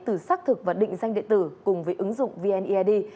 từ xác thực và định danh địa tử cùng với ứng dụng vnead